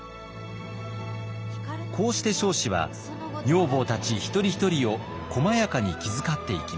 こうして彰子は女房たち一人一人を細やかに気遣っていきました。